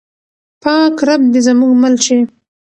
پاک رب دې زموږ مل شي.